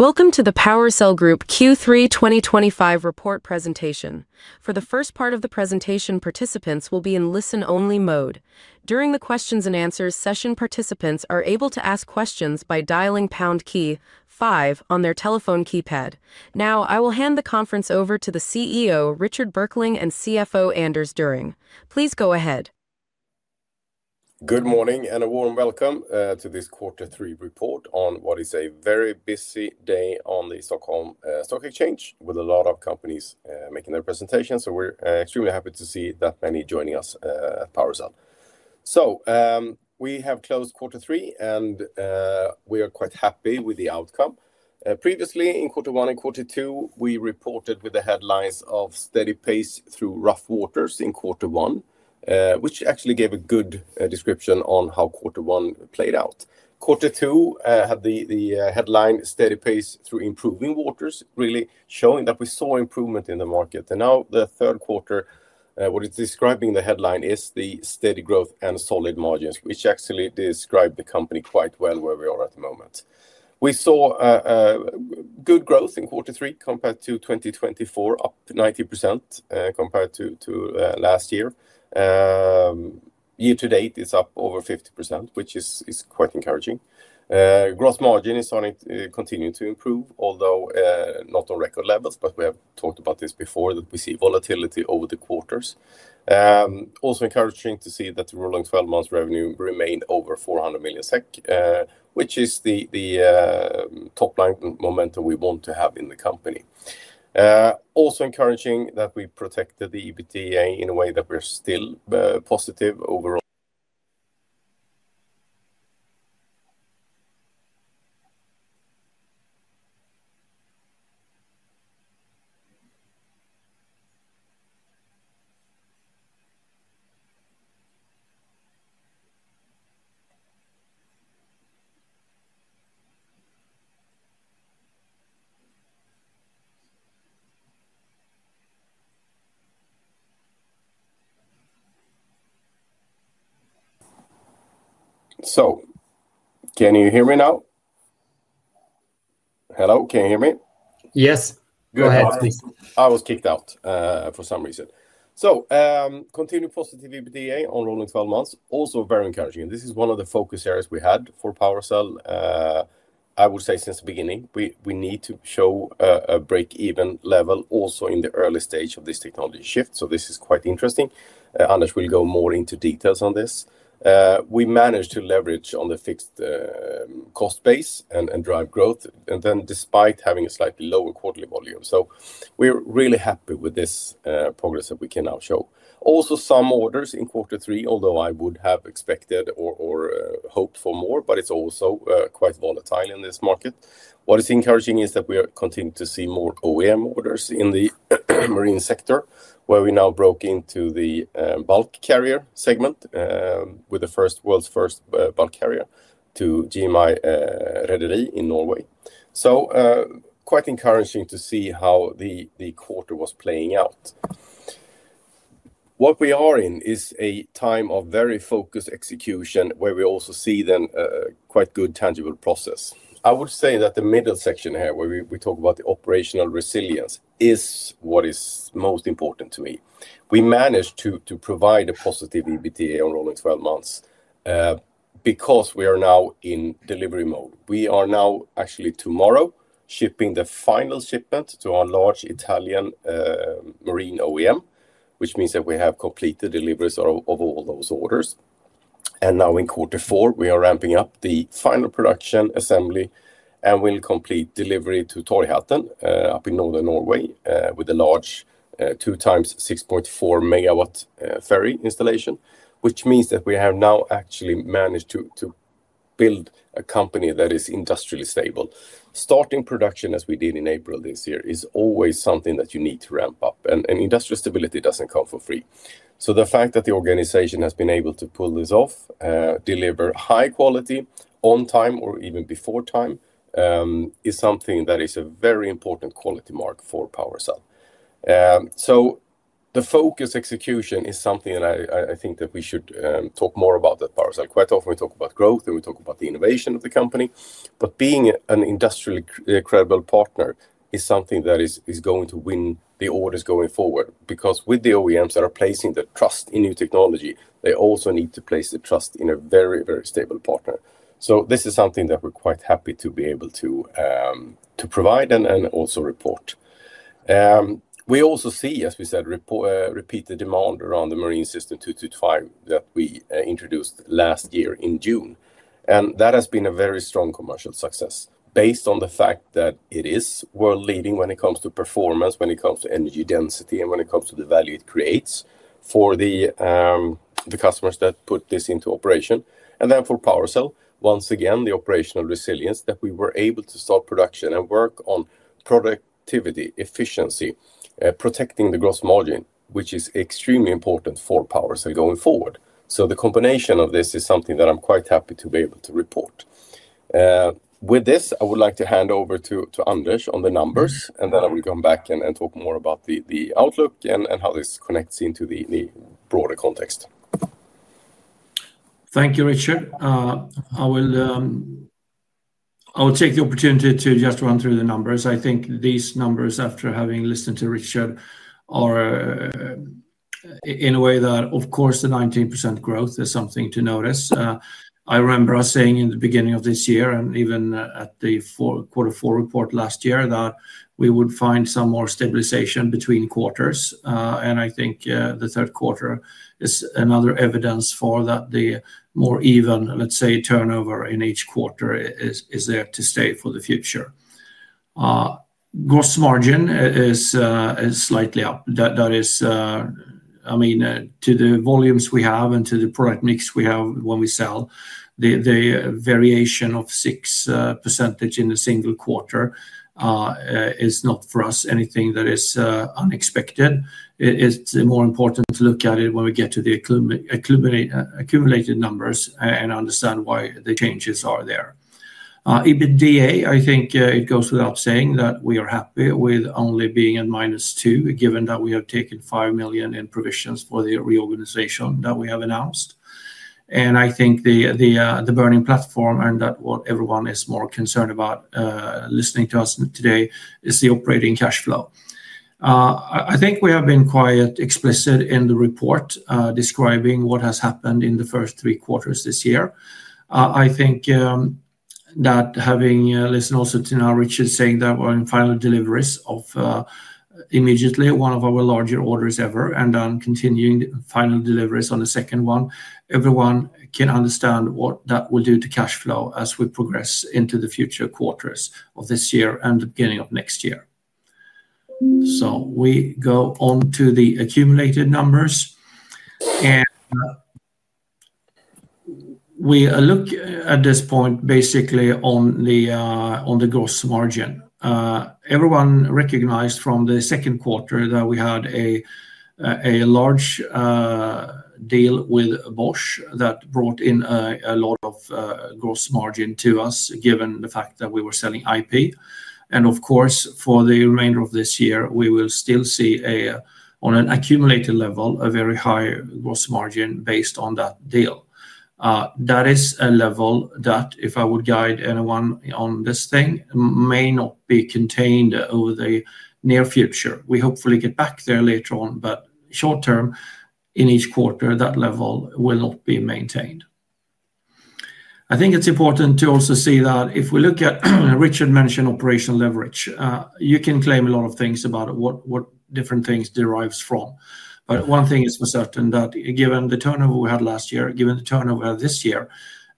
Welcome to the PowerCell Group quarter three 2025 report presentation. For the first part of the presentation, participants will be in listen-only mode. During the questions-and-answers session, participants are able to ask questions by dialing pound key five on their telephone keypad. Now, I will hand the conference over to the CEO, Richard Berkling, and CFO, Anders Düring. Please go ahead. Good morning and a warm welcome to this quarter three report on what is a very busy day on the Stockholm Stock Exchange, with a lot of companies making their presentations. We're extremely happy to see that many joining us at PowerCell. We have closed quarter three, and we are quite happy with the outcome. Previously, in quarter one and quarter two, we reported with the headlines of "Steady pace through rough waters" in quarter one, which actually gave a good description on how quarter one played out. quarter two had the headline "Steady pace through improving waters," really showing that we saw improvement in the market. Now, the third quarter, what it's describing in the headline is the "Steady growth and solid margins," which actually describes the company quite well where we are at the moment. We saw good growth in quarter three compared to 2024, up 90% compared to last year. Year to date, it's up over 50%, which is quite encouraging. Gross margin is starting to continue to improve, although not on record levels, but we have talked about this before, that we see volatility over the quarters. Also encouraging to see that the rolling 12-month revenue remained over 400 million SEK, which is the top line momentum we want to have in the company. Also encouraging that we protected the EBITDA in a way that we're still positive over. Can you hear me now? Hello, can you hear me? Yes, go ahead, please. I was kicked out for some reason. Continue positive EBITDA on rolling 12 months, also very encouraging. This is one of the focus areas we had for PowerCell, I would say since the beginning. We need to show a break-even level also in the early stage of this technology shift, so this is quite interesting. Anders Düring will go more into details on this. We managed to leverage on the fixed cost base and drive growth, despite having a slightly lower quarterly volume. We're really happy with this progress that we can now show. Also, some orders in quarter three, although I would have expected or hoped for more, but it's also quite volatile in this market. What is encouraging is that we continue to see more OEM orders in the marine sector, where we now broke into the bulk carrier segment, with the world's first bulk carrier to GMI Rederi in Norway. Quite encouraging to see how the quarter was playing out. What we are in is a time of very focused execution, where we also see quite good tangible process. I would say that the middle section here, where we talk about the operational resilience, is what is most important to me. We managed to provide a positive EBITDA on rolling 12 months because we are now in delivery mode. We are now actually tomorrow shipping the final shipment to our large Italian marine OEM, which means that we have completed deliveries of all those orders. In quarter four, we are ramping up the final production, assembly, and we'll complete delivery to Torghatten, up in northern Norway, with a large 2 x 6.4 MW ferry installation, which means that we have now actually managed to build a company that is industrially stable. Starting production as we did in April this year is always something that you need to ramp up, and industrial stability doesn't come for free. The fact that the organization has been able to pull this off, deliver high quality on time or even before time, is something that is a very important quality mark for PowerCell. The focused execution is something that I think that we should talk more about at PowerCell. Quite often we talk about growth, and we talk about the innovation of the company, but being an industrially credible partner is something that is going to win the orders going forward because with the OEMs that are placing their trust in new technology, they also need to place the trust in a very, very stable partner. This is something that we're quite happy to be able to provide and also report. We also see, as we said, repeated demand around the Marine System 225 that we introduced last year in June, and that has been a very strong commercial success based on the fact that it is world-leading when it comes to performance, when it comes to energy density, and when it comes to the value it creates for the customers that put this into operation. For PowerCell, once again, the operational resilience that we were able to start production and work on productivity, efficiency, protecting the gross margin, which is extremely important for PowerCell going forward. The combination of this is something that I'm quite happy to be able to report. With this, I would like to hand over to Anders on the numbers, and then I will come back and talk more about the outlook and how this connects into the broader context. Thank you, Richard. I will take the opportunity to just run through the numbers. I think these numbers, after having listened to Richard, are in a way that, of course, the 19% growth is something to notice. I remember us saying in the beginning of this year and even at the quarter four report last year that we would find some more stabilization between quarters, and I think the third quarter is another evidence for that the more even, let's say, turnover in each quarter is there to stay for the future. Gross margin is slightly up. That is, I mean, to the volumes we have and to the product mix we have when we sell, the variation of 6% in a single quarter is not for us anything that is unexpected. It is more important to look at it when we get to the accumulated numbers and understand why the changes are there. EBITDA, I think it goes without saying that we are happy with only being at minus $2 million, given that we have taken $5 million in provisions for the reorganization that we have announced. I think the burning platform, and that what everyone is more concerned about listening to us today, is the operating cash flow. I think we have been quite explicit in the report describing what has happened in the first three quarters this year. I think that having listened also to now Richard saying that we're in final deliveries of immediately one of our larger orders ever and then continuing the final deliveries on the second one, everyone can understand what that will do to cash flow as we progress into the future quarters of this year and the beginning of next year. We go on to the accumulated numbers. We look at this point basically on the gross margin. Everyone recognized from the second quarter that we had a large deal with Bosch that brought in a lot of gross margin to us, given the fact that we were selling IP. For the remainder of this year, we will still see on an accumulated level a very high gross margin based on that deal. That is a level that, if I would guide anyone on this thing, may not be contained over the near future. We hopefully get back there later on, but short term, in each quarter, that level will not be maintained. I think it's important to also see that if we look at Richard mentioned operational leverage, you can claim a lot of things about what different things derive from. One thing is for certain that given the turnover we had last year, given the turnover this year,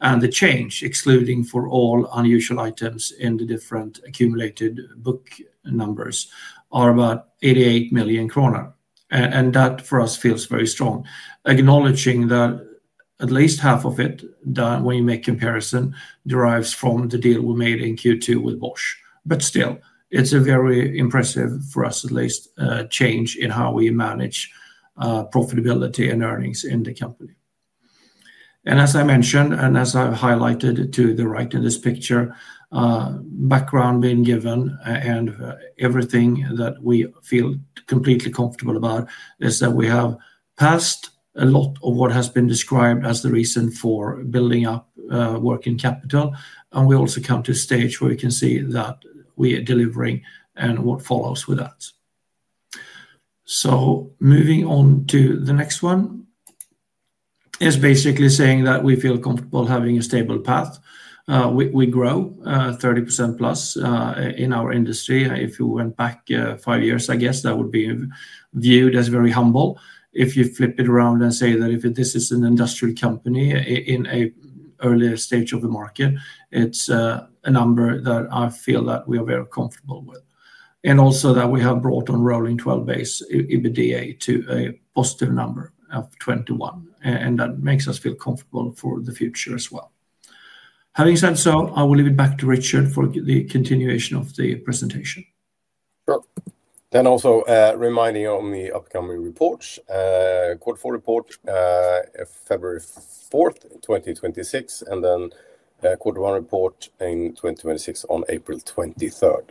and the change, excluding for all unusual items in the different accumulated book numbers, are about 88 million kronor. That for us feels very strong, acknowledging that at least half of it, when you make comparison, derives from the deal we made in quarter two with Bosch. Still, it's a very impressive for us at least change in how we manage profitability and earnings in the company. As I mentioned, and as I've highlighted to the right in this picture, background being given and everything that we feel completely comfortable about, is that we have passed a lot of what has been described as the reason for building up working capital. We also come to a stage where we can see that we are delivering and what follows with that. Moving on to the next one, it's basically saying that we feel comfortable having a stable path. We grow 30%+ in our industry. If you went back five years, I guess that would be viewed as very humble. If you flip it around and say that if this is an industrial company in an earlier stage of the market, it's a number that I feel that we are very comfortable with. Also that we have brought on rolling 12 base EBITDA to a positive number of 21, and that makes us feel comfortable for the future as well. Having said so, I will leave it back to Richard for the continuation of the presentation. Also reminding on the upcoming reports, quarter four report February 4th, 2026, and then quarter one report in 2026 on April 23rd.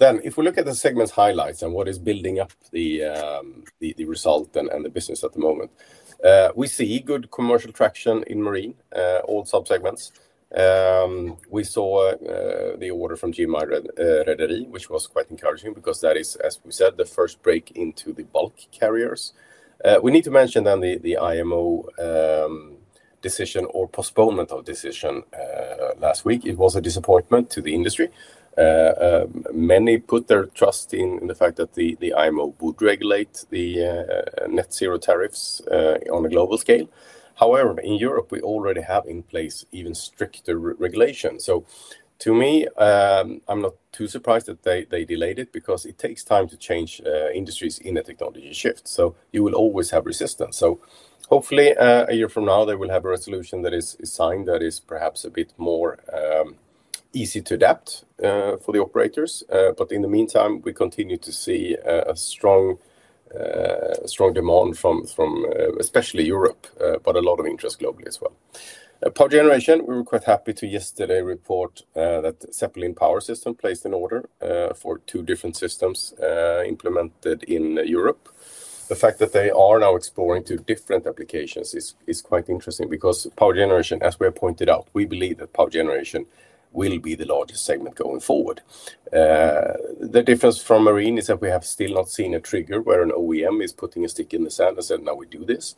If we look at the segment's highlights and what is building up the result and the business at the moment, we see good commercial traction in marine all subsegments. We saw the order from GMI Rederi, which was quite encouraging because that is, as we said, the first break into the bulk carriers. We need to mention the IMO decision or postponement of decision last week. It was a disappointment to the industry. Many put their trust in the fact that the IMO would regulate the net zero tariffs on a global scale. However, in Europe, we already have in place even stricter regulations. To me, I'm not too surprised that they delayed it because it takes time to change industries in a technology shift. You will always have resistance. Hopefully a year from now, they will have a resolution that is signed that is perhaps a bit more easy to adapt for the operators. In the meantime, we continue to see a strong demand from especially Europe, but a lot of interest globally as well. Power Generation, we were quite happy to yesterday report that Zeppelin Power System placed an order for two different systems implemented in Europe. The fact that they are now exploring two different applications is quite interesting because Power Generation, as we have pointed out, we believe that Power Generation will be the largest segment going forward. The difference from marine is that we have still not seen a trigger where an OEM is putting a stick in the sand and saying, "Now we do this."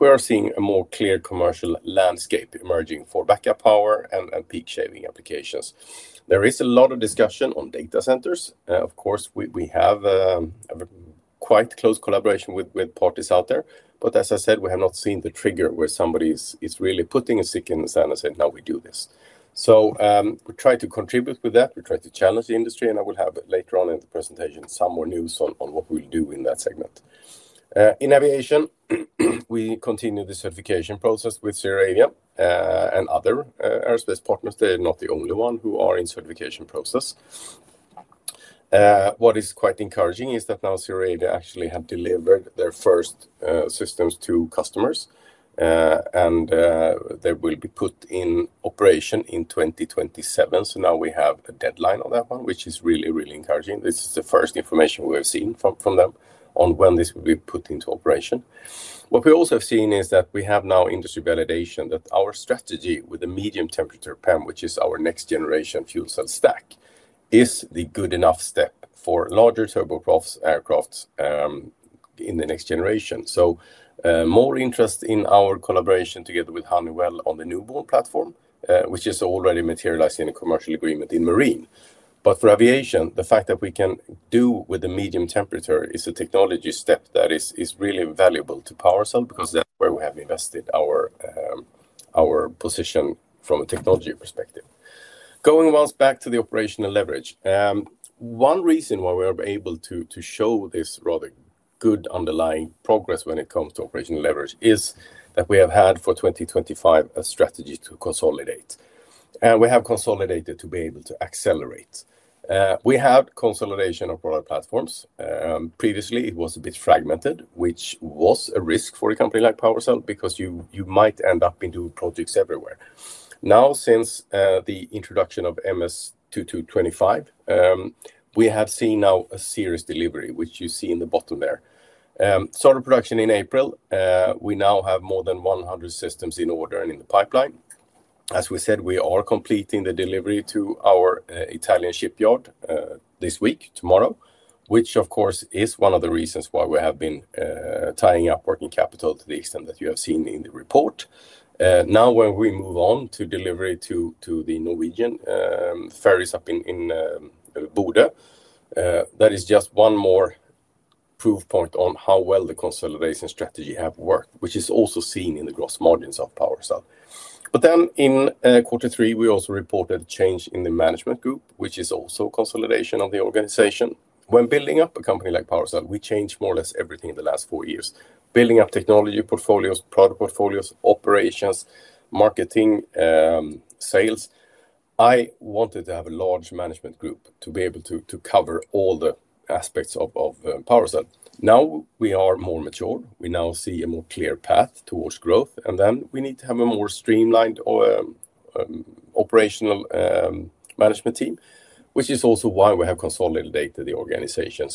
We are seeing a more clear commercial landscape emerging for backup power and peak shaving applications. There is a lot of discussion on data centers. Of course, we have a quite close collaboration with parties out there. As I said, we have not seen the trigger where somebody is really putting a stick in the sand and saying, "Now we do this." We try to contribute with that. We try to challenge the industry, and I will have later on in the presentation some more news on what we will do in that segment. In aviation, we continue the certification process with ZeroAvia and other aerospace partners. They're not the only ones who are in the certification process. What is quite encouraging is that now ZeroAvia actually had delivered their first systems to customers, and they will be put in operation in 2027. Now we have a deadline on that one, which is really, really encouraging. This is the first information we have seen from them on when this will be put into operation. What we also have seen is that we have now industry validation that our strategy with the medium temperature PEM, which is our next generation fuel cell stack, is the good enough step for larger turboprop aircrafts in the next generation. More interest in our collaboration together with Honeywell on the Newborn platform, which is already materialized in a commercial agreement in marine. For aviation, the fact that we can do with the medium temperature is a technology step that is really valuable to PowerCell because that's where we have invested our position from a technology perspective. Going once back to the operational leverage, one reason why we are able to show this rather good underlying progress when it comes to operational leverage is that we have had for 2025 a strategy to consolidate, and we have consolidated to be able to accelerate. We had consolidation of product platforms. Previously, it was a bit fragmented, which was a risk for a company like PowerCell because you might end up in doing projects everywhere. Now, since the introduction of MS 225, we have seen now a serious delivery, which you see in the bottom there. Started production in April. We now have more than 100 systems in order and in the pipeline. As we said, we are completing the delivery to our Italian shipyard this week, tomorrow, which of course is one of the reasons why we have been tying up working capital to the extent that you have seen in the report. Now, when we move on to delivery to the Norwegian ferries up in Bodø, that is just one more proof point on how well the consolidation strategy has worked, which is also seen in the gross margins of PowerCell. In quarter three, we also reported a change in the management group, which is also a consolidation of the organization. When building up a company like PowerCell, we changed more or less everything in the last four years, building up technology portfolios, product portfolios, operations, marketing, sales. I wanted to have a large management group to be able to cover all the aspects of PowerCell. Now we are more mature. We now see a more clear path towards growth, and then we need to have a more streamlined operational management team, which is also why we have consolidated the organization.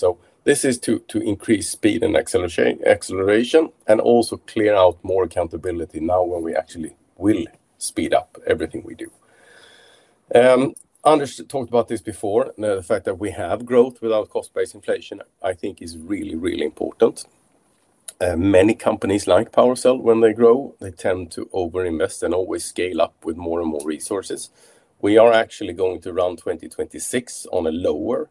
This is to increase speed and acceleration and also clear out more accountability now when we actually will speed up everything we do. Anders talked about this before, the fact that we have growth without cost-based inflation, I think is really, really important. Many companies like PowerCell, when they grow, they tend to overinvest and always scale up with more and more resources. We are actually going to run 2026 on a lower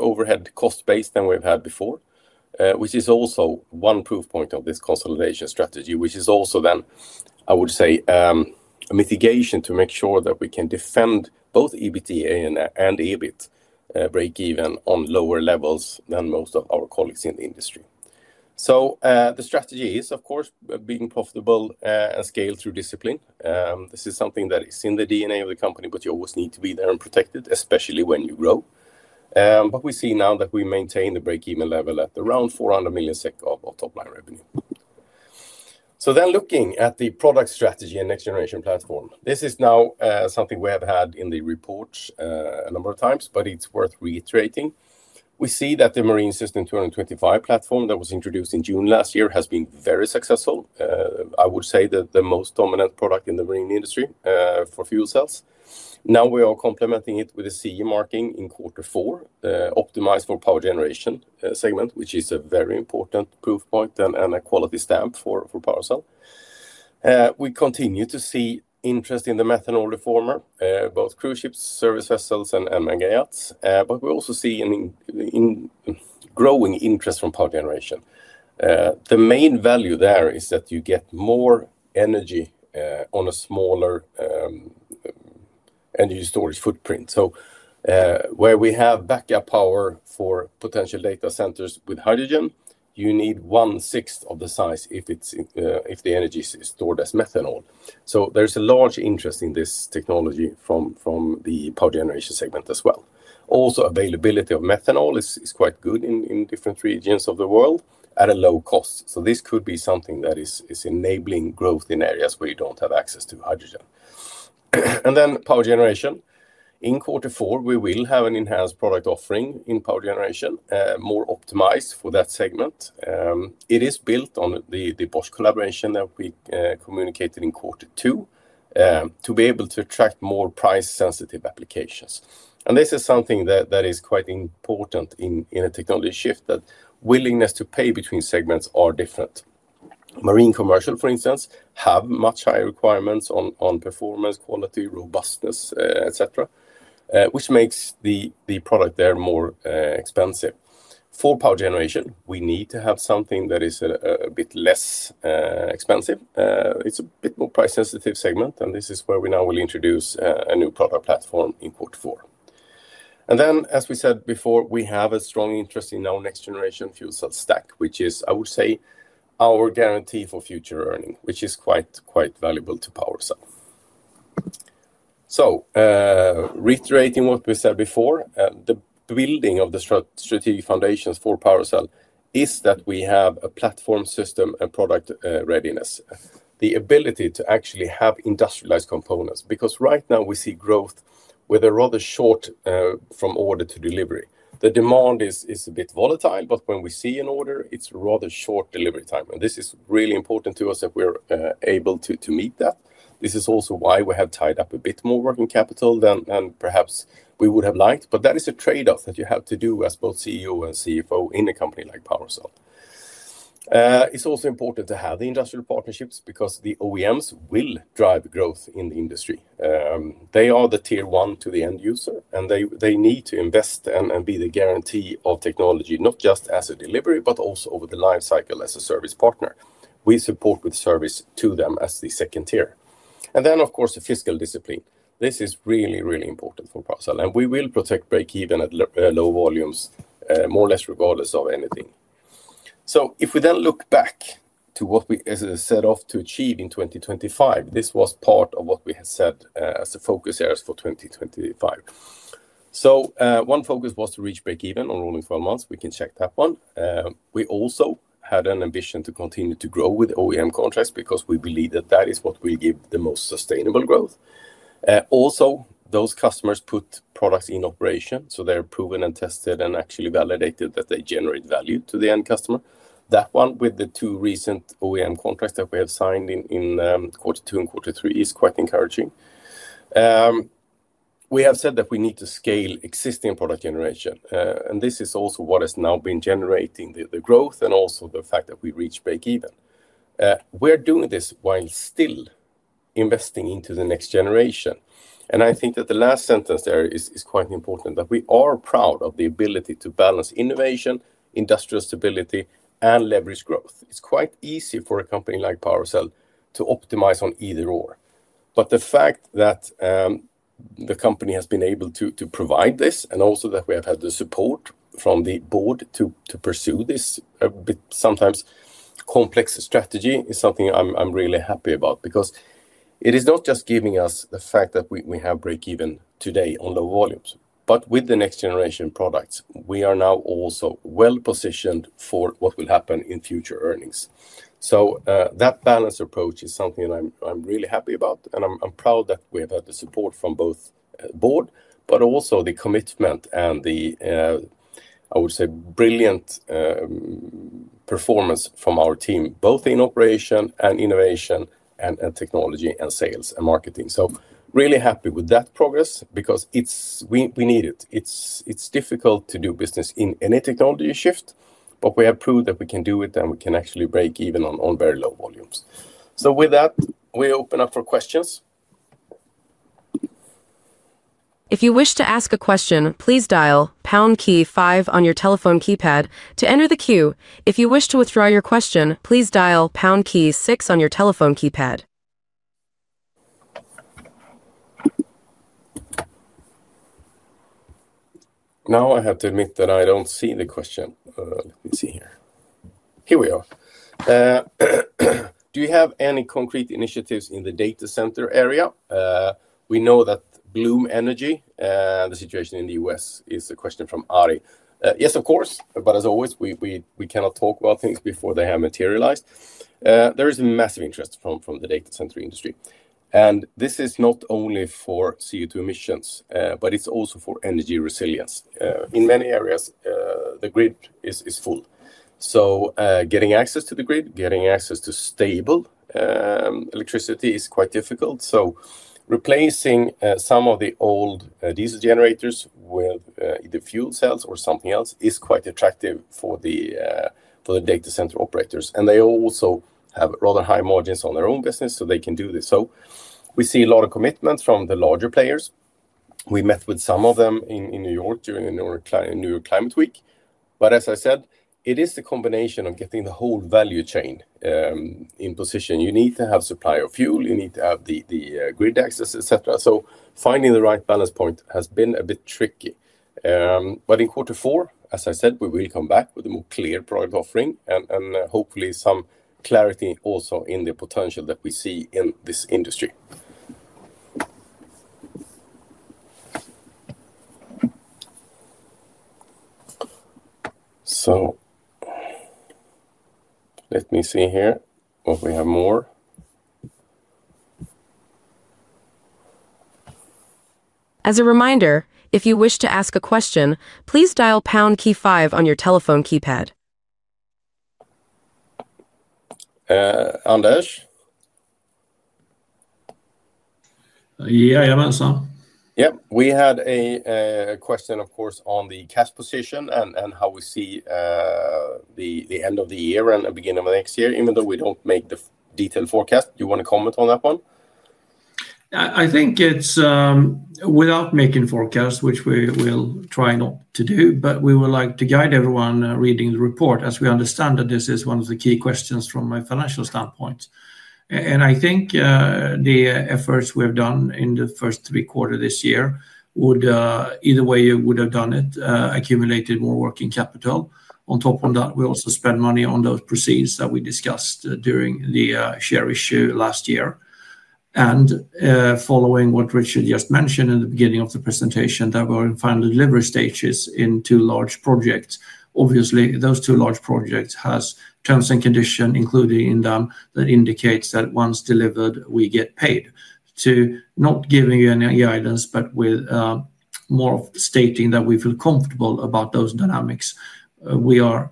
overhead cost base than we've had before, which is also one proof point of this consolidation strategy, which is also then, I would say, a mitigation to make sure that we can defend both EBITDA and EBIT break-even on lower levels than most of our colleagues in the industry. The strategy is, of course, being profitable and scaled through discipline. This is something that is in the DNA of the company, but you always need to be there and protect it, especially when you grow. We see now that we maintain the break-even level at around 400 million SEK of top-line revenue. Looking at the product strategy and next-generation platform, this is now something we have had in the report a number of times, but it's worth reiterating. We see that the Marine System 225 platform that was introduced in June last year has been very successful. I would say that the most dominant product in the marine industry for fuel cells. Now we are complementing it with a CE marking in quarter four, optimized for power generation segment, which is a very important proof point and a quality stamp for PowerCell. We continue to see interest in the methanol reformer, both cruise ships, service vessels, and maggots. We also see a growing interest from power generation. The main value there is that you get more energy on a smaller energy storage footprint. Where we have backup power for potential data centers with hydrogen, you need one-sixth of the size if the energy is stored as methanol. There is a large interest in this technology from the power generation segment as well. Also, availability of methanol is quite good in different regions of the world at a low cost. This could be something that is enabling growth in areas where you don't have access to hydrogen. In quarter four, we will have an enhanced product offering in power generation, more optimized for that segment. It is built on the Bosch collaboration that we communicated in quarter two to be able to attract more price-sensitive applications. This is something that is quite important in a technology shift, that willingness to pay between segments are different. Marine commercial, for instance, have much higher requirements on performance, quality, robustness, etc., which makes the product there more expensive. For power generation, we need to have something that is a bit less expensive. It's a bit more price-sensitive segment, and this is where we now will introduce a new product platform in quarter four. As we said before, we have a strong interest in our next-generation fuel cell stack, which is, I would say, our guarantee for future earning, which is quite valuable to PowerCell. Reiterating what we said before, the building of the strategic foundations for PowerCell is that we have a platform system and product readiness, the ability to actually have industrialized components, because right now we see growth with a rather short order to delivery. The demand is a bit volatile, but when we see an order, it's a rather short delivery time. This is really important to us that we're able to meet that. This is also why we have tied up a bit more working capital than perhaps we would have liked. That is a trade-off that you have to do as both CEO and CFO in a company like PowerCell. It's also important to have the industrial partnerships because the OEMs will drive growth in the industry. They are the tier one to the end user, and they need to invest and be the guarantee of technology, not just as a delivery, but also over the lifecycle as a service partner. We support with service to them as the second tier. Of course, the fiscal discipline. This is really, really important for PowerCell, and we will protect break-even at low volumes, more or less regardless of anything. If we then look back to what we set off to achieve in 2025, this was part of what we had said as the focus areas for 2025. One focus was to reach break-even on rolling 12 months. We can check that one. We also had an ambition to continue to grow with OEM contracts because we believe that that is what will give the most sustainable growth. Also, those customers put products in operation, so they're proven and tested and actually validated that they generate value to the end customer. That one with the two recent OEM contracts that we have signed in quarter two and quarter three is quite encouraging. We have said that we need to scale existing product generation, and this is also what has now been generating the growth and also the fact that we reach break-even. We're doing this while still investing into the next generation. I think that the last sentence there is quite important, that we are proud of the ability to balance innovation, industrial stability, and leverage growth. It is quite easy for a company like PowerCell to optimize on either or. The fact that the company has been able to provide this and also that we have had the support from the board to pursue this sometimes complex strategy is something I'm really happy about because it is not just giving us the fact that we have break-even today on low volumes, but with the next-generation products, we are now also well positioned for what will happen in future earnings. That balanced approach is something that I'm really happy about, and I'm proud that we have had the support from both the board, but also the commitment and the, I would say, brilliant performance from our team, both in operation and innovation and technology and sales and marketing. I'm really happy with that progress because we need it. It's difficult to do business in any technology shift, but we have proved that we can do it and we can actually break even on very low volumes. With that, we open up for questions. If you wish to ask a question, please dial pound key five on your telephone keypad to enter the queue. If you wish to withdraw your question, please dial pound key six on your telephone keypad. Now I have to admit that I don't see the question. Let me see here. Here we are. Do you have any concrete initiatives in the data center area? We know that Bloom Energy, the situation in the U.S., is a question from Ari. Yes, of course, but as always, we cannot talk about things before they have materialized. There is a massive interest from the data center industry, and this is not only for CO2 emissions, but it's also for energy resilience. In many areas, the grid is full. Getting access to the grid, getting access to stable electricity is quite difficult. Replacing some of the old diesel generators with either fuel cells or something else is quite attractive for the data center operators, and they also have rather high margins on their own business, so they can do this. We see a lot of commitment from the larger players. We met with some of them in New York during the New York Climate Week. As I said, it is the combination of getting the whole value chain in position. You need to have supply of fuel, you need to have the grid access, etc. Finding the right balance point has been a bit tricky. In quarter four, as I said, we will come back with a more clear product offering and hopefully some clarity also in the potential that we see in this industry. Let me see here if we have more. As a reminder, if you wish to ask a question, please dial the pound key five on your telephone keypad. Anders? Yeah, I have answered. Yeah, we had a question, of course, on the cash position and how we see the end of the year and the beginning of next year, even though we don't make the detailed forecast. Do you want to comment on that one? I think it's without making forecasts, which we will try not to do, but we would like to guide everyone reading the report, as we understand that this is one of the key questions from a financial standpoint. I think the efforts we have done in the first three quarters of this year would, either way you would have done it, accumulated more working capital. On top of that, we also spent money on those proceeds that we discussed during the share issue last year. Following what Richard just mentioned in the beginning of the presentation, that we're in final delivery stages in two large projects. Obviously, those two large projects have terms and conditions included in them that indicate that once delivered, we get paid. Not giving you any guidance, but more stating that we feel comfortable about those dynamics, we are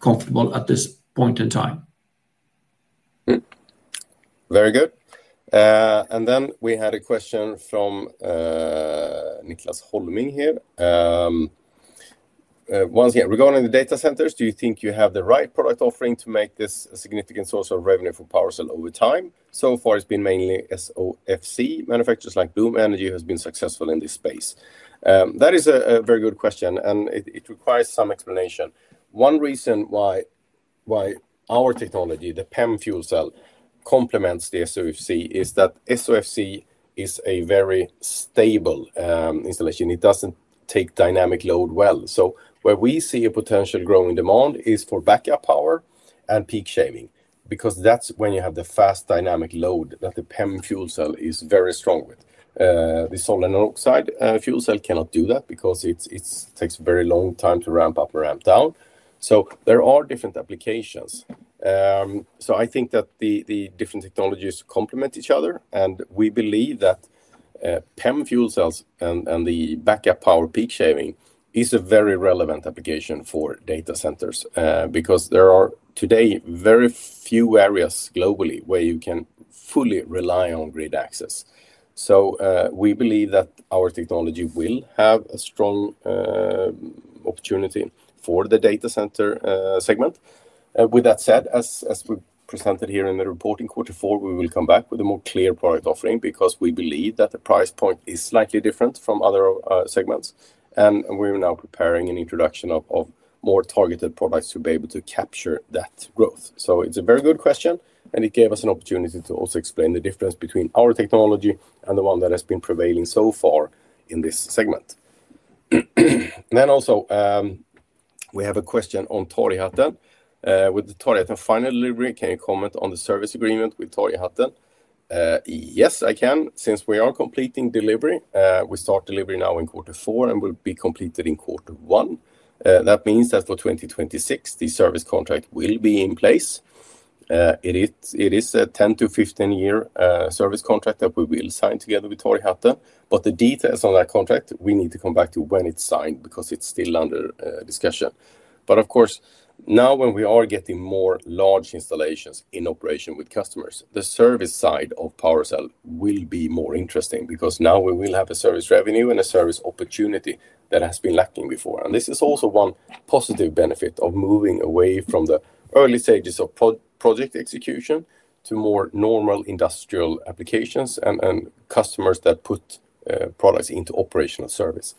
comfortable at this point in time. Very good. We had a question from [Niklas Holming] here once again regarding the data centers. Do you think you have the right product offering to make this a significant source of revenue for PowerCell over time? So far, it's been mainly SOFC manufacturers like Bloom Energy who have been successful in this space. That is a very good question, and it requires some explanation. One reason why our technology, the PEM fuel cell, complements the SOFC is that SOFC is a very stable installation. It doesn't take dynamic load well. Where we see a potential growing demand is for backup power and peak shaving, because that's when you have the fast dynamic load that the PEM fuel cell is very strong with. The solid oxide fuel cell cannot do that because it takes a very long time to ramp up and ramp down. There are different applications. I think that the different technologies complement each other, and we believe that PEM fuel cells and the backup power peak shaving is a very relevant application for data centers, because there are today very few areas globally where you can fully rely on grid access. We believe that our technology will have a strong opportunity for the data center segment. With that said, as we presented here in the report in quarter four, we will come back with a more clear product offering because we believe that the price point is slightly different from other segments, and we are now preparing an introduction of more targeted products to be able to capture that growth. It's a very good question, and it gave us an opportunity to also explain the difference between our technology and the one that has been prevailing so far in this segment. We also have a question on Torghatten. With the Torghatten final delivery, can you comment on the service agreement with Torghatten? Yes, I can. Since we are completing delivery, we start delivery now in quarter four and will be completed in quarter one. That means that for 2026, the service contract will be in place. It is a 10 year-15 year service contract that we will sign together with Torghatten, but the details on that contract, we need to come back to when it's signed because it's still under discussion. Of course, now when we are getting more large installations in operation with customers, the service side of PowerCell will be more interesting because now we will have a service revenue and a service opportunity that has been lacking before. This is also one positive benefit of moving away from the early stages of project execution to more normal industrial applications and customers that put products into operational service.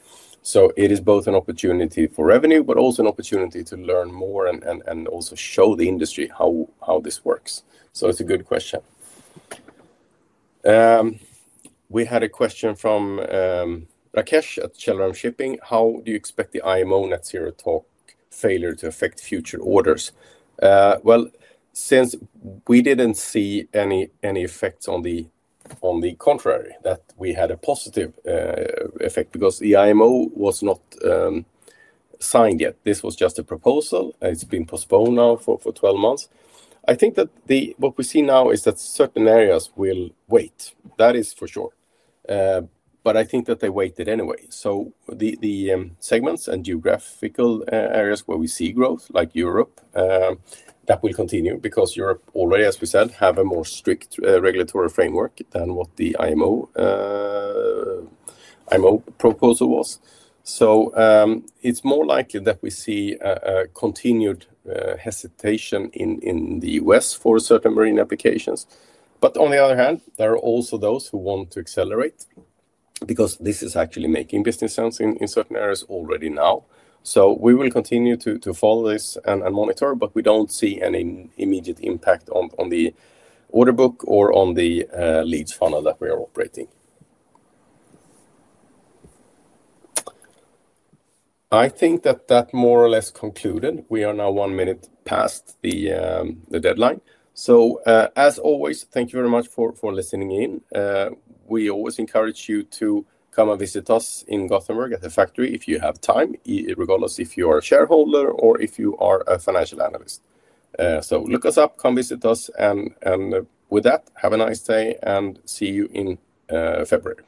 It is both an opportunity for revenue, but also an opportunity to learn more and also show the industry how this works. It's a good question. We had a question from [Rakesh at Chelarum Shipping]. How do you expect the IMO net-zero talk failure to affect future orders? Since we didn't see any effects, on the contrary, we had a positive effect because the IMO was not signed yet. This was just a proposal, and it's been postponed now for 12 months. I think that what we see now is that certain areas will wait. That is for sure. I think that they waited anyway. The segments and geographical areas where we see growth, like Europe, that will continue because Europe already, as we said, has a more strict regulatory framework than what the IMO proposal was. It's more likely that we see a continued hesitation in the U.S. for certain marine applications. On the other hand, there are also those who want to accelerate because this is actually making business sense in certain areas already now. We will continue to follow this and monitor, but we don't see any immediate impact on the order book or on the leads funnel that we are operating. I think that more or less concluded. We are now one minute past the deadline. As always, thank you very much for listening in. We always encourage you to come and visit us in Gothenburg at the factory if you have time, regardless if you are a shareholder or if you are a financial analyst. Look us up, come visit us, and with that, have a nice day and see you in February.